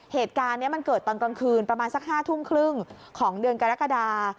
เหตุการณ์นี้มันเกิดตอนกลางคืนประมาณสัก๕ทุ่มครึ่งของเดือนกรกฎา